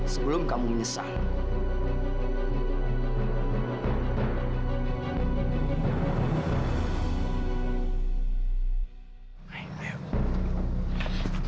sebelum kamu menyesal